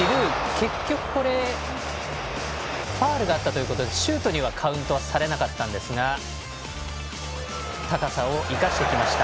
結局これはファウルがあったということでシュートにはカウントされなかったんですが高さを生かしてきました。